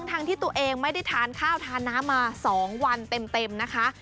ทั้งที่ตัวเองไม่ได้ทานข้าวทานน้ำมา๒วันเต็มนะคะ